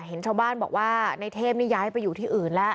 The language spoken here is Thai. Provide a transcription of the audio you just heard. เห็นชาวบ้านบอกว่าในเทพนี่ย้ายไปอยู่ที่อื่นแล้ว